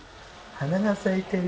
花が咲いてる。